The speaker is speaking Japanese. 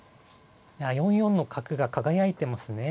４四の角が輝いてますね。